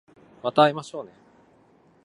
また会いましょうね